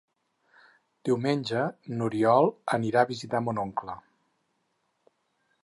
Diumenge n'Oriol anirà a visitar mon oncle.